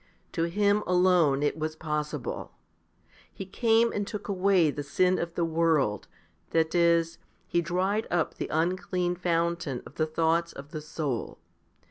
To Him alone it was possible. He came and took away the sin of the world ; 2 that is, He dried up the unclean fountain of the thoughts of the soul.